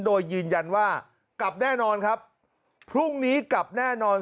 โดยยืนยันว่ากลับแน่นอนครับพรุ่งนี้กลับแน่นอน